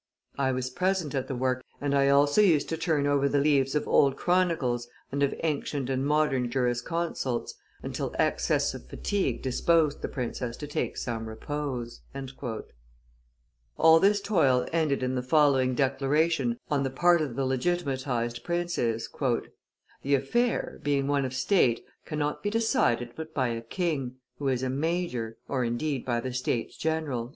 I was present at the work, and I also used to turn over the leaves of old chronicles and of ancient and modern jurisconsults, until excess of fatigue disposed the princess to take some repose." [Illustration: The Duke of Maine 71] All this toil ended in the following declaration on the part of the legitimatized princes: "The affair, being one of state, cannot be decided but by a king, who is a major, or indeed by the States general."